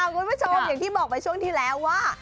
คุณผู้ชมอย่างที่บอกไปช่วงที่แล้วว่า